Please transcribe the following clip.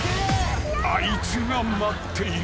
あいつが待っている］